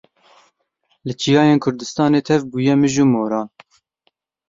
Li çiyayên kurdistanê tev bûye mij û moran.